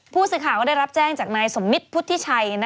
ผู้สื่อข่าวก็ได้รับแจ้งจากนายสมมิตรพุทธิชัย